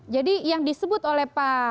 jadi yang disebut oleh pak